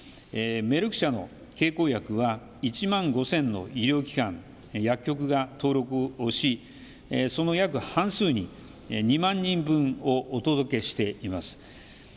メルク社の経口薬は１万５０００の医療機関、薬局が登録をしその約半数に２万人分をお届けしています。